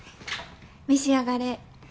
召し上がれ。